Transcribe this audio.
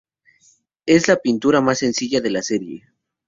Es la pintura más sencilla de la serie.